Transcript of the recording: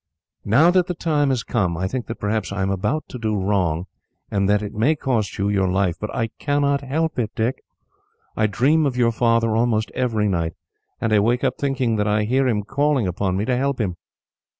"Now that the time is come, I think that perhaps I am about to do wrong, and that it may cost you your life. But I cannot help it, Dick. I dream of your father almost every night, and I wake up thinking that I hear him calling upon me to help him.